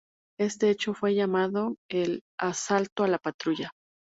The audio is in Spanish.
Este hecho fue llamado el "Asalto a la patrulla".